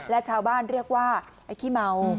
และชาวบ้านเรียกว่าไอ้ขี้เมา